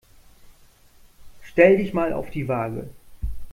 Stell dich mal auf die Waage.